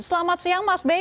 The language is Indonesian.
selamat siang mas bey